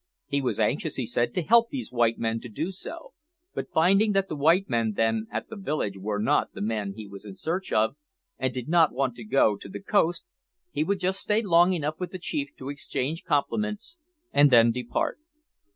He was anxious, he said, to help these white men to do so, but, finding that the white men then at the village were not the men he was in search of, and did not want to go to the coast, he would just stay long enough with the chief to exchange compliments, and then depart.